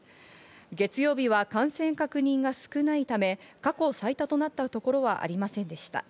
月曜日は感染確認が少なめのため、過去最多となったところはありませんでした。